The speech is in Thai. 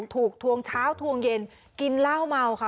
ทวงเช้าทวงเย็นกินเหล้าเมาค่ะ